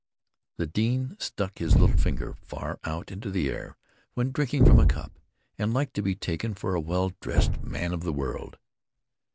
... The dean stuck his little finger far out into the air when drinking from a cup, and liked to be taken for a well dressed man of the world.